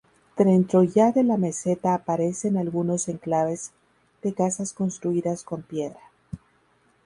Dentro ya de la Meseta aparecen algunos enclaves de casas construidas con piedra.